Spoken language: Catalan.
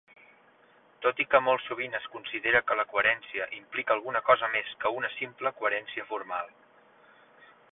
Tot i que molt sovint es considera que la coherència implica alguna cosa més que una simple coherència formal.